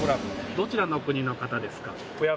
どちらの国の方ですか？